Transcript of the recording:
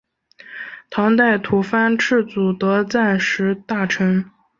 唐代吐蕃赤祖德赞时大臣。